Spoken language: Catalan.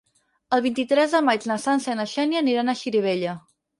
El vint-i-tres de maig na Sança i na Xènia aniran a Xirivella.